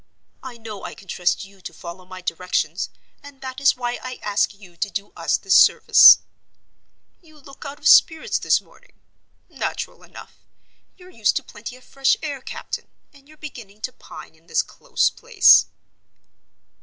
I know I can trust you to follow my directions, and that is why I ask you to do us this service. You look out of spirits this morning. Natural enough. You're used to plenty of fresh air, captain, and you're beginning to pine in this close place."